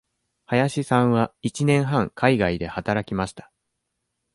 林さんは一年半海外で働きました。